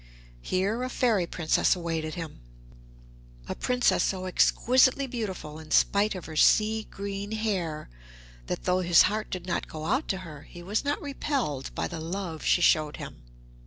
Here a Fairy Princess awaited him a Princess so exquisitely beautiful in spite of her sea green hair, that though his heart did not go out to her, he was not repelled by the love she showed him.